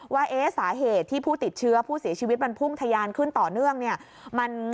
ว่าสาเหตุที่ผู้ติดเชื้อผู้เสียชีวิตมันพุ่งทะยานขึ้นต่อเนื่องเนี่ย